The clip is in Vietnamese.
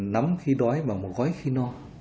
nắm khi đói và một gói khi no